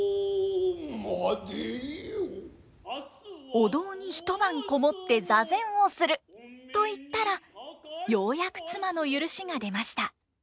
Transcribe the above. お堂に一晩籠もって座禅をすると言ったらようやく妻の許しが出ました。